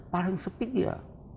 paling sepi dia